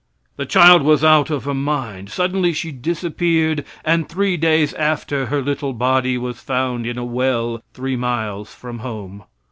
The child was out of her mind; suddenly she disappeared; and three days after her little body was found in a well, three miles from home.